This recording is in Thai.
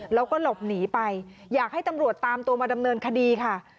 แล้วก็หลบหนีไปอยากให้ตำรวจตามตัวมาดำเนินคดีค่ะ